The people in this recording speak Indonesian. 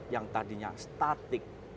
yang tadinya static